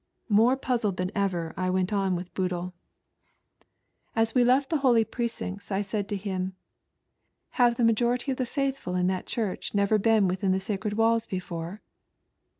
More puzzled than ever I went on with Boodle. ab ONLY 4 GHOST. As we left the holy precincts, I aaid to him, *'Have the majority of the faithful in that church never been within the sacred walls before